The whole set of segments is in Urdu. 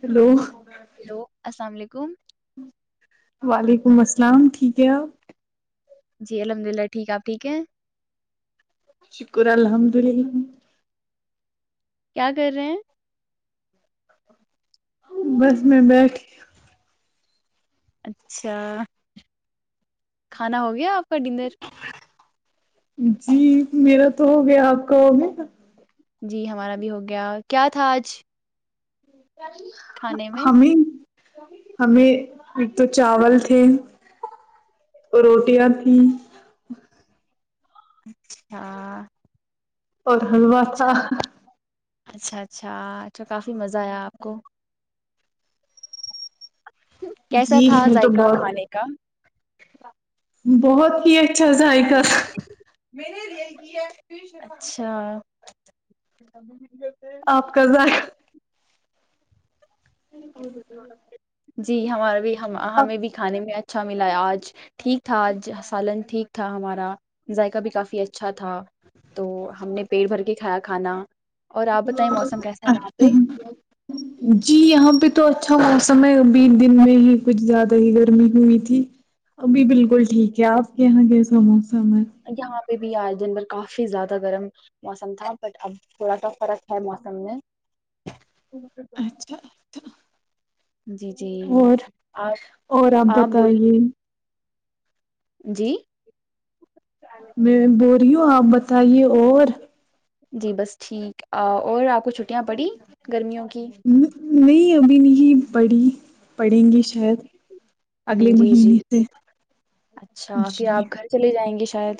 ہلو ہیلو السلام علیکم حم السلام ٹھیک ہے جی الحمد للہ ٹھیک آپ ٹھیک ہیں شکر الحمد للہ کیا کر رہے ہیں بس میں بیٹھی اچھا کھانا ہو گیا آپ کا ڈنر جی میرا تو ہو گیا آپ کا ہو میں نا [unintelligible] جی ہمارا بھی ہو گیا کیا تھا آج کھانے میں ہمیں [unintelligible] ہمیں ایک تو چاول تھے اور روٹیاں تھیں اچھا [unintelligible] اور حلوہ تھا اچھا [unintelligible] اچھا اچھا اچھا کافی مزہ آیا آپ کو کیسا جی تھا اس میں تو ذائقہ بہت کھانے کا و [unintelligible] بہت [unintelligible] تھا ذائکل اچھا [unintelligible] آپ کا ذا نہیں ب [unintelligible] جی ہمارے بھی ہمیں بھی کانے میں اچھا ملا آج ٹھیک تھا آج سالن ٹھیک تھا ہمارا ذائقہ بھی کافی اچھا تھا تو ہم نے پیٹ بھر کے کھایا کھانا اور آپ بتائیں موسم کیسا ہے وہاں اچھا پہ جی یہاں پہ [unintelligible] تو اچھا موسم ہے ابھی دن میں ہی کچھ زیادہ ہی گرمی ہوئی تھی ابھی بالکل ٹھیک ہے آپ کے یہاں کیسا موسم سمت [unintelligible] یہاں بھی آئے دن بھر کافی زیادہ گرم موسم تھا بٹ اب تھوڑا سا فرق ہے موسم میں اچھاچ [unintelligible] جی جی اور آپ اور آپ بتائیے [unintelligible] جی [unintelligible] میں بہت ی ہو آپ بتائیے اور جی بس ٹھیک اور آپ کو چھٹیاں پڑی گرمیوں کی کہ [unintelligible] نہیں ابھی نہیںی بڑی ہ جی جی مہینے سے اچھا پھر جی آپ گھر چلے جائیں گے شاید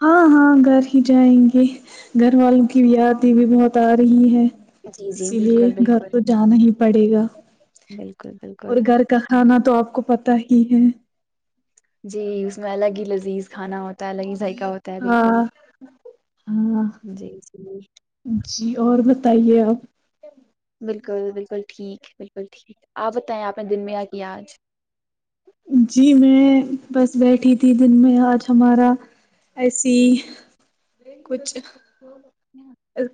ہاں ہاں گھر ہی جائیں گے گھر والوں کی یادیں بھی بہت آ رہی ہے جی جی اسی لیے بالکل گھر بالکل تو جانا ہی پڑے گا بالکل اور بالکل گھر کا کھانا تو آپ آپ کو پتا ہی ہے جی اس میں الگ ہی لذیذ کھانا ہوتا ہے الگ ہی کا ہوتا ہے بالکل ہاں ہاں جی جی اور بتائیے آپ بالکل بالکل ٹھیک ہے بالکل ٹھیک آپ بتائیں آپ نے دن میں یہ کیا آج جی میں بس بیٹھی تھی دن میں آج ہمارا ایسی کچھ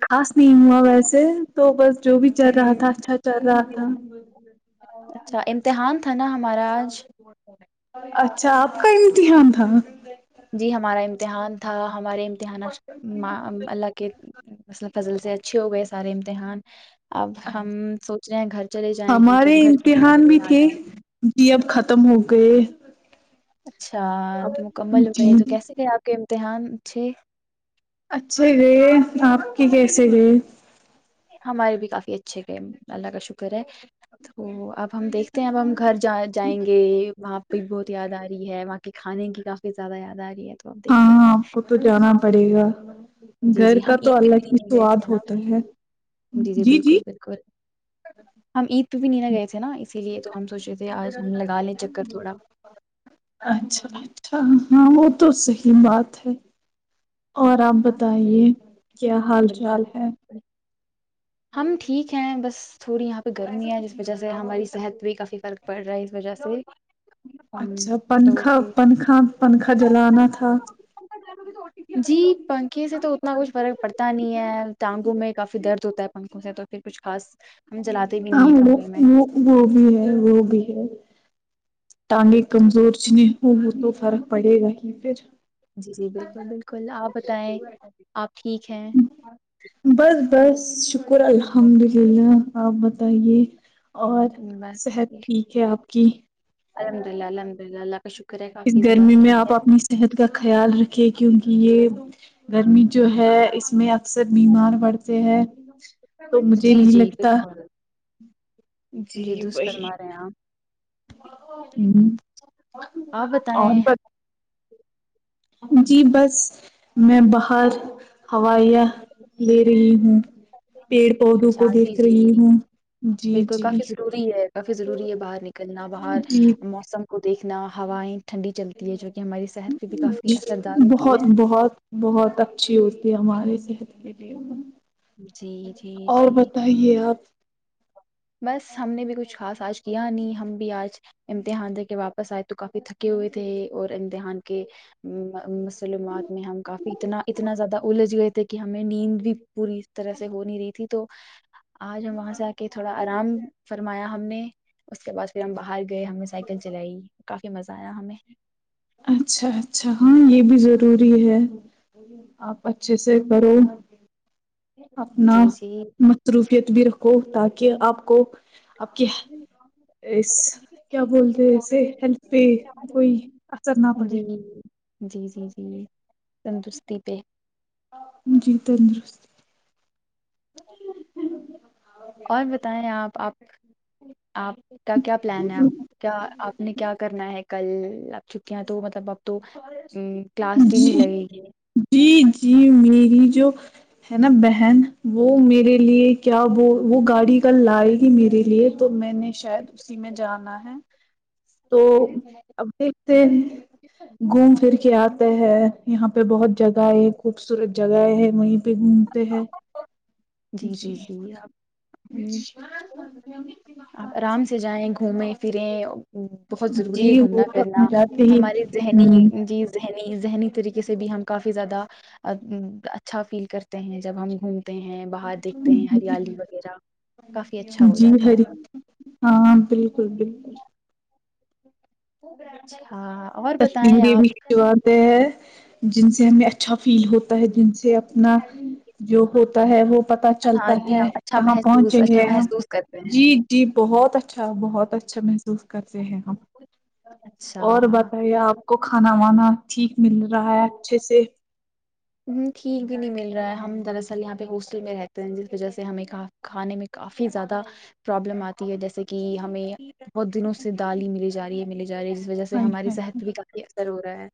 خاص نہیں ہوا ویسے تو بس جو بھی چل رہا تھا ہم، اچھا چل رہا تھا تھناا مہاراج اچھا آپ کا امتحان تھا ج [unintelligible] جی ہمارا امتحان تھا ہمارے دھیان اللہ کے مل فصل سے اچھے ہو گئے سارے امتحان اب ہم سوچ رہے ہیں گھر چلے جائیں کیونکہ ہمارے اب گھر کی بھی امتحان کافی یاد تھے آ رہی ہے جی اب ختم ہو گئے اچھا تو مکمل ہو جی گئے تو کیسے گئے آپ کے دحان سے اچھے گئے آپ کی کیسے گئے ہمارے بھی کافی اچھے گئے اللہ کا شکر ہے ا اب ہم دیکھتے ہیں اب ہم گھر جا جائیں گے وہاں بگ بہت د آ رہی ہے وہاں کے کھانے کی کافی زیادہ یاد آ رہی ہے تو اب ہاں دیکھتے ہیں آپ کو تو جانا پڑے گا جی گھر جی ہم کا تو عید پہ الگ بھی ہی نہیں گئے سواد تھے نا ہوتا ہے جی جی بالکل بالکل ہم عید پہ بھی نہیںنے گئے تھے نا اسی لیے تو ہم سوچے تھے آج ہم لگا لیں چکر تھوڑا اچھا اچھا ہاں وہ تو صحی بات ہے اور ہے آپ نا بتائیے کیا حال چال ہے بالکل ہم ٹھیک ہیں بس تھوڑی یہاں پہ گرمی ہے جس وجہ سے ہماری صحت پہ کافی فرق پڑ رہا ہے اس وجہ سے ہمم اچھا تو پنکھا پھر پنکھا پنکھا جلانا تھا جی [unintelligible] پنکے سے تو اتنا کچھ فرق پڑتا نہیں ہے ٹانگوں میں کافی درد ہوتا ہے پنکھوں سے تو پھر کچھ خاص ہم جلاتے بھی نہیں ہاں ہے وہ کمرے میں وہ وہ بھی ہے وہ بھی ہے انگے کمزور چ نہیں وہ تو فرق پڑے گا کہ پھر جی جی بالکل بالکل آپ بتائیں آپ ٹھیک ہے بس بس شکریہ شکر الحمد للہ آ بت یہ [unintelligible] بسیک کی الحمد للہ الحمد للہ اللہ کا شکر ہے اس کافی زیادہ گرمی میں ٹھیک آپ ہے اپنی صحت کا خیال رکھے کہ ان کی کہ یہ گرمی جو ہے اس میں اکثر بیمار پڑتے ہیں تو مجھے جی نہیں جی لگتا بالکل جی درست وہی فرما رہے ہیں آپ ہ آپ اور بتائیں پ [unintelligible] [unintelligible] جی بس میں باہر ہا ایا لی [unintelligible] جی ہوں پیڑ پودوں کو اچھا جی دیکھ رہی جی ہوں جی بالکل جی کافی ضروری ہے کافی ضروری ہے باہر نکلنا باہر جی موسم کو دیکھ اتنا ہوائیں ٹھنڈی چلتی ہے جو کہ ہماری صحت پہ بھی کافی اثردار ہوتی بہت ہے بہت بہت اچھی ہوتی ہے ہمارے صحت کے لی ہو جی جی اور جی بتائیے آپ بس ہم نے بھی کچھ خاص آج کیا نہیں ہم بھی آج امتحان ج کے واپس آئے تو کافی تھکے ہوئے تھے اور امتحان کے مسلمومات میں ہم کافی اتنا اتنا زیادہ الجھ گئے تھے کہ ہمیں نیند بھی پوری طرح سے ہو نہیں رہی تھی تو آج ہم وہاں سے آ کے تھوڑا آرام فرمایا ہم نے اس کے بعد پھر ہم باہر گئے ہمیں سائیکل چلائی کافی مزہ آیا ہمیں اچھا اچھا ہاں یہ بھی ضروری ہے آپ اچھے سے کرو جی اپنا جی متروف ت بھی رکھو تاکہ آپ کو اب کیا اس کیا بولتے اسے ہیلتھ پہ کوئی اثر نہ پڑے جی جی جی جی تندرستی پہ جی تندرست اور بتائیں آپ آپ آپ کا کیا پلان ہےپ کیا آپ نے کیا کرنا ہے کل آب چکے ہیں تو مطلب اب تو ہ کلاس بھی نہیں جی لگے گی جی جی میری جو ہے نا بہن وہ میرے لیے کیا وہ وہ گاڑی کل لائے گی میرے لیے تو میں نے شاید اسی میں جانا ہے تو اب دیکھتے ہیں گھوم پھر کے کیا آتے ہے یہاں پہ بہت جگہ ہے خوبصورت جگہ ہے وہیں پہ گھومتے ہیں جی جی جی جی آپ آرام سے جائیں گھومیں فھریں بہت ضروری ہے جی وہ گھومنا تو ہم پھرنا جاتے ہی ہماری ذہنی جی ذہنی ذہنی طریقے سے بھی ہم کافی زیادہ اچھا فیل کرتے ہیں جب ہم گھومتے ہیں باہر دیکھتے ہیں ہریالی وغیرہ کافی اچھا ہو جی جاتا ہری ہے ہاں بالکل بالکل خ بڈ تصمری بھی کچواتے ہیں جن سے ہمیں اچھا فیل ہوتا ہے جن سے اپنا جو ہوتا ہے وہ پت چلتا ہاں جی ہے ہم اچھا کہاں پہنچے محسوس اچھا ہیں ہم محسوس کرتے جی ہیں جی بہت اچھا بہت اچھا م محسوس کرتے ہیں ہم اچھا اور بات آپ کو کھانا وانا ٹھیک مل رہا ہے اچھے سے ٹھیک بھی نہیں مل رہا ہے ہم دراصل یہاں پہ ہاسٹل میں رہتے ہیں جس وجہ سے ہمیں کھانے میں کافی زیادہ پرابلم آتی ہے جیسے کہ ہمیں بہت دنوں سے دال ہی ملی جا رہی ہے مل جا رہی جس وجہ سے ہائے ہماری ہائے، صحت پ بھی کافی اثر ہو رہا ہے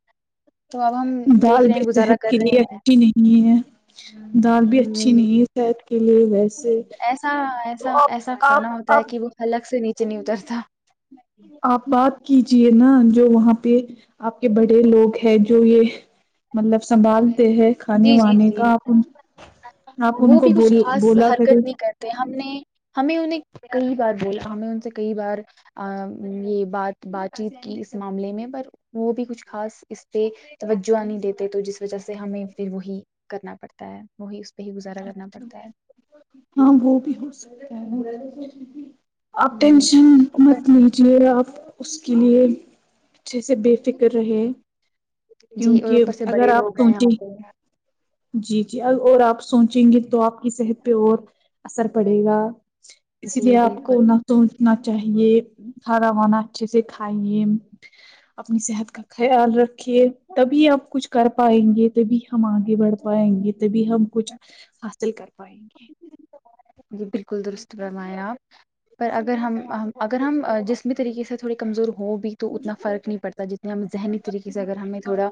تو اب ہم دیکھ دال رہے ہیں بھی گزارت صحت کے لیے اچھی نہیں ہے دال بھی اچھی ہمم نہیں ہے شاید کی ایسا ایسا ایسا آپ کھانا آپ ہوتا ہے آپ کہ وہ حلگ سے نہیں [unintelligible] چ نہیں اتر تھا [unintelligible] آپ بات کیجیے نا [unintelligible] جو وہاں پہ [unintelligible] آپ کے بڑے لوگ ہے جو یہ مطلب سنبھالتے ہیں کھانے جی جی وانے جی کا آپ [unintelligible] آپ ان وہ کو بھی کچھ بول خاص بولا کرے حرکت نہیں کرتے ہم نے ہمیں انہیں [unintelligible] کئی بار بول ہمیں ان سے کئی بار یہ بات بات چیت کی اس معاملے میں پر وہ بھی کچھ خا اس پہ توجہ نہیں دیتے تو جس وجہ سے ہمیں پھر وہی کرنا پڑتا ہے وہی [unintelligible] گزارا کرنا اچھا پڑتا ہے [unintelligible] م تو سوچھی [unintelligible] آپ ہ ٹینشن مت لیجےا آپ اس [unintelligible] اسلیم [unintelligible] اچھے سے بے فکر رہے جی اور کیونکہ اوپر سے اگر بڑے آپ لوگ ہیں یہاں سوچیں پہ [unintelligible] جی جی اور آپ [unintelligible] سوچیں گے تو آپ کی صحت پہ اور [unintelligible] اثر پڑے گا اسی جی لیے آپ کو بالکل نہ تو اتنا [unintelligible] چاہیے کھانا وانا اچھے سے کھائیے اپنی صحت کا خیال رکھیے تبھی ہمپ کچھ کر پائیں گے تبھی ہم آگے بڑھ پائیں گے تبھی ہم کچھ [unintelligible] حاصل کر پائیں گے [unintelligible] جی بالکل درست فرمایا آپ [unintelligible] پر اگر ہم [unintelligible] اگر ہم جسم طریقے سے تھوڑی کمزور [unintelligible] ہو بھی تو اتنا فرق نہیں پڑتا جتنا ہم ذہنی طریقے سے اگر ہمیں تھوڑا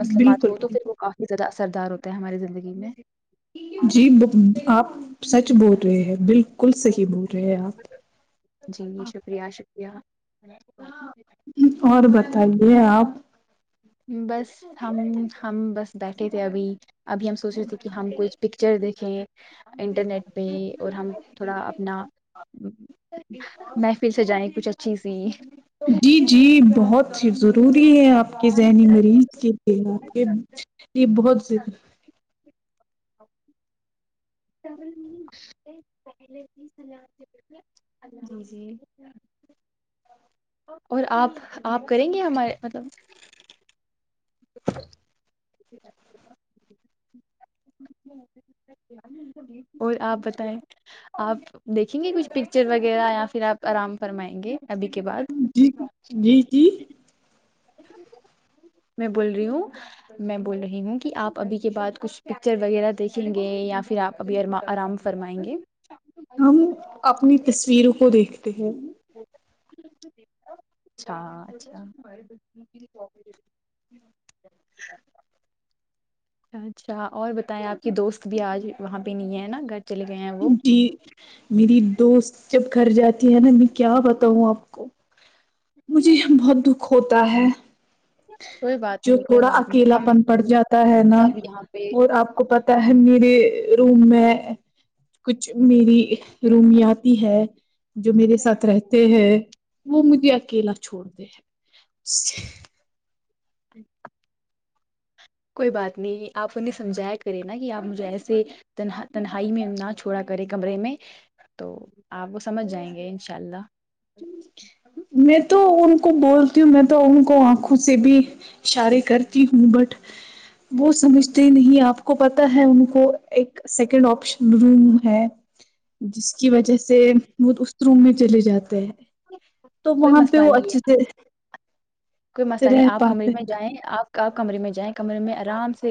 مسلمات بالکل ہو تو پھر وہ بالکل کافی زیادہ [unintelligible] سردار ہوتے ہیں ہماری زندگی میں [unintelligible] جی آپ [unintelligible] سچ بول رہے ہیں بالکل [unintelligible] بال کل صحیح بول رہے ہیں آپ جی شکریہ شکریہ [unintelligible] اور بتائیے آپ بس ہم ہم بس بیٹھے تھے ابھی ابھی ہم سوچ رہے تھے کہ ہم کوھ پکچر دیکھیں انٹرنیٹ پہ اور ہم تھوڑا اپنا محفل سجائیں کچھ اچھی سی [unintelligible] روری ہے آپ [unintelligible] آپ کے ذہنی مریض کے لی یہ بہتہ [unintelligible] اور آپ آپ کریں گے ہمارے مطلب [inaudible] [inaudible] [unintelligible] اور آپ بتائیں آپ دیکھیں گے کچھ پکچر وغیرہ یا پھر آپ آرام فرمائیں گے ابھی کے بعد جی جی جی میں بول رہی ہوں میں بول رہی ہوں کہ آپ ابھی کے بع کچھ پکچر وغیرہ دیکھیں گے یا پھر آپ ابھی آرام فرمائیں گے ہم اپنی تصویروں کو دیکھتے ہیں [unintelligible] اچھا اچھا مک چوے ہی [unintelligible] اچھا اور بتائیں آپ کی دوست بھی آج وہاں پہ نہیں ہے نا گھر چلے گئے ہیں وہ جی میری دوست جب گھر جاتی نا میں کیا بتاؤں آپ کو مجھے بہت دکھ ہو ہوتا ہے کوئی بات جو نہیں کوئی تھوڑا بات نہیں اکیلا ہم پن پڑ جاتا ہے نا سب یہاں پہ اور آپ کو پت ہے میرے روم میں کچھ میری رومیاتی ہے جو میرے ساتھ رہتے ہیں وہ مجھے اکیلا چھوڑتے ہیں اچ [unintelligible] کوئی بات نہیں آپ انہیں سمجھایا کریں نا کہ آپ مجھے ایسے ت تنہائی میں نہ چھوڑا کرے کمرے میں تو آپ وہ سمجھ جائیں گے انشاء اللہ ہ [unintelligible] میں تو ان کو بولتی ہوں میں تو ان کو آنکھوں سے بھی اشارے کرتی ہوں بٹ وہ سمجھتے نہیں آپ کو پتا ہے ان کو ایک سیکنڈ آپشن روم ہے جس کی وجہ سے وہ اس روم میں چل جاتا تو [unintelligible] تو کوئی وہاں پہ مسئلہ وہ نہیں اچھے ہے سے کوئی مسئلہ نہیں رہ آپ کمرے پاتے میں جائیں آپ کمرے میں جائیں کمرے میں آرام سے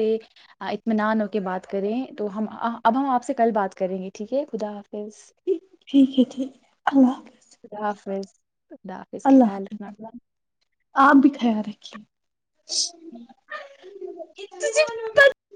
اطمینان ہو کے بات کریں تو ہم اب ہم آپ سے کل بات کریں گے ٹھیک ہے خدا حافظ ٹھیک ہے ٹھیک ہے اللہ حافظ تولہاخظ اللہ خیال حافظ رکھنا آپ بھی خیال رکھیے [unintelligible]